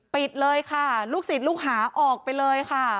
ปิดเลยค่ะลูกศิษย์ลูกหาออกไปเลยค่ะ